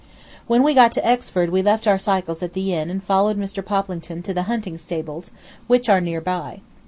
When we got to Exford we left our cycles at the inn and followed Mr. Poplington to the hunting stables, which are near by.